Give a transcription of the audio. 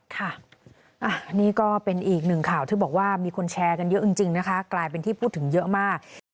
ค่ะนี่ก็เป็นอีกหนึ่งข่าวที่บอกว่ามีคนแชร์กันเยอะจริงนะคะกลายเป็นที่พูดถึงเยอะมาก